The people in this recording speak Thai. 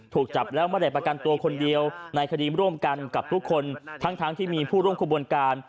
ถูกจับแล้วไม่ได้ประกันตัวคนเดียวในคดีร่วมกันกับทุกคนทั้งที่มีผู้ร่วมขบวนการ